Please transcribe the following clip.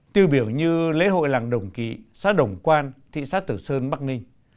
tư biểu như lễ hội làng đồng kỳ xã đồng quan thị xã tử sơn bắc ninh